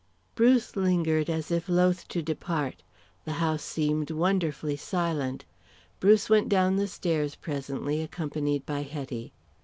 Bruce lingered as if loth to depart. The house seemed wonderfully silent. Bruce went down the stairs presently, accompanied by Hetty.